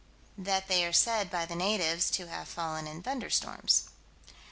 That they are said, by the natives, to have fallen in thunderstorms.